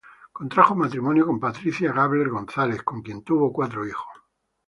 Contrajo matrimonio con Patricia Gabler González, con quien tuvo cuatro hijos.